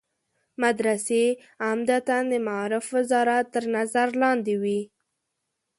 مدرسې عمدتاً د معارف وزارت تر نظر لاندې وي.